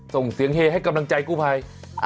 ส่งเสียงเฮให้กำลังใจกู้ภัย